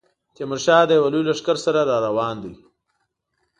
تیمورشاه د یوه لوی لښکر سره را روان دی.